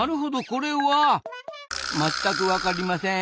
これはまったくわかりません。